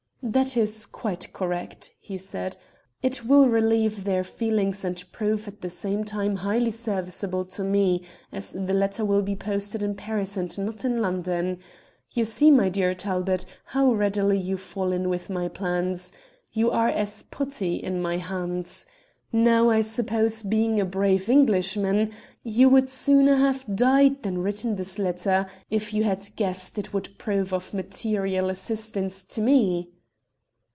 "'That is quite correct,' he said; 'it will relieve their feelings and prove at the same time highly serviceable to me, as the letter will be posted in Paris and not in London. You see, my dear Talbot, how readily you fall in with my plans. You are as putty in my hands. Now, I suppose, being a brave Englishman, you would sooner have died than written this letter if you had guessed it would prove of material assistance to me?'